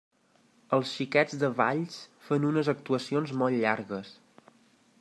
Els Xiquets de Valls fan unes actuacions molt llargues.